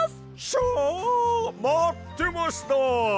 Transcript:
シャまってました！